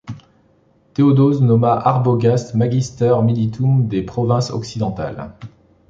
Théodose nomma Arbogast magister militum des provinces occidentales.